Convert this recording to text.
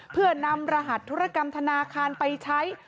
เพื่อนำรหัสธุรกรรมธนาคารไปใช้